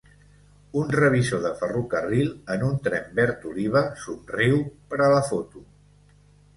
Un revisor de ferrocarril en un tren verd oliva somriu per a la foto